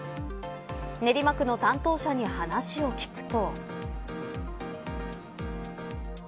練馬区の担当者に話を聞くと。